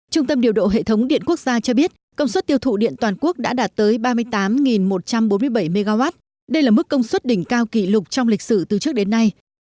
trung tâm điều độ hệ thống điện quốc gia cho biết công suất tiêu thụ điện toàn quốc đã đạt tới ba mươi tám một trăm bốn mươi bảy mw đây là mức công suất đỉnh cao kỷ lục trong lịch sử từ trước đến nay